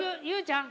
佑ちゃん。